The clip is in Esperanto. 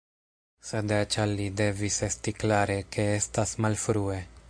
Sed eĉ al li devis esti klare, ke estas malfrue.